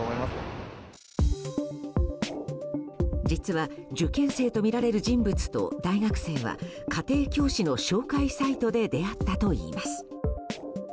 実は、受験生とみられる人物と大学生は家庭教師の紹介サイトで出会ったといいます。